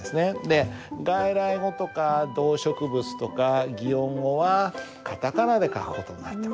で外来語とか動植物とか擬音語はカタカナで書く事になってます。